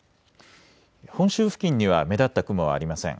本州付近には目立った雲はありません。